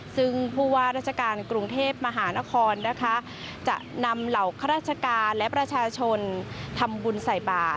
ซึ่งผู้ว่าราชการกรุงเทพมหานครนะคะจะนำเหล่าข้าราชการและประชาชนทำบุญใส่บาท